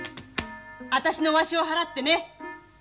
私の御足を払ってね。